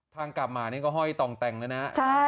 กลับมานี่ก็ห้อยต่องแต่งแล้วนะ